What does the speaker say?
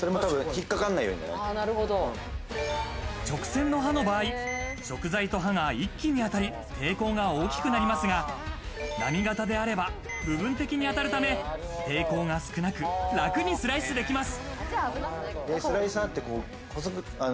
直線の刃の場合、食材と刃が一気に当たり、抵抗が大きくなりますが、波型であれば部分的に当たるため、抵抗が少なく、楽にスライスできます。